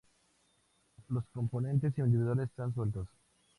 Los componentes individuales están sueltos.